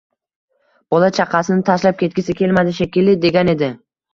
Bola-chaqasini tashlab ketgisi kelmadi, shekilli”, degan edi